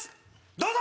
どうぞ！